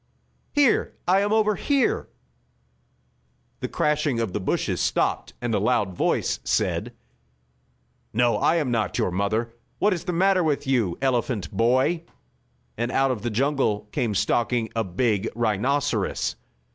Here I am, over here!" The crashing of the bushes stopped, and a loud voice said: "No, I am not your mother. What is the matter with you, elephant boy?" and out of the jungle came stalking a big rhinoceros.